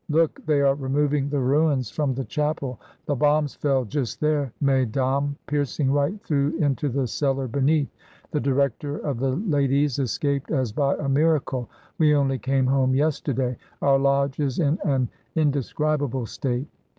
"Look! they are removing the ruins from the chapel, the bombs fell just there, mesdames, piercing right through into the cellar beneath. The director of the ladies escaped as by a miracle. We only came home yesterday. Our lodge is in an inde scribable state.